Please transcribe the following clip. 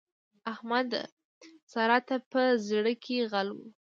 احمد؛ سارا ته په زړ کې غل وو.